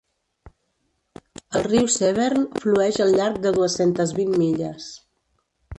El riu Severn flueix al llarg de dues-centes vint milles.